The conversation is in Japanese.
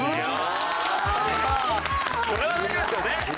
これは大丈夫ですよね。